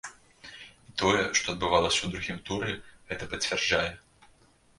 І тое, што адбывалася ў другім туры, гэта пацвярджае.